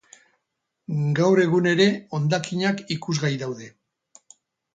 Gaur egun ere hondakinak ikusgai daude.